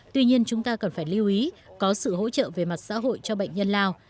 tuy nhiên chúng ta cần phải lưu ý có sự hỗ trợ về mặt xã hội cho bệnh nhân lao